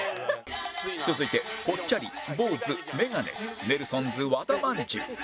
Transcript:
続いてぽっちゃり坊主メガネネルソンズ和田まんじゅう